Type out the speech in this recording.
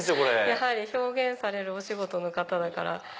やはり表現されるお仕事の方。